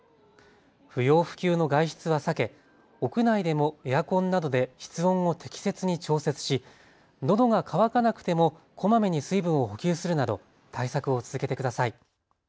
不要不急の外出は避け屋内でもエアコンなどで室温を適切に調節し、のどが渇かなくてもこまめに水分を補給するなど対策を続けてください。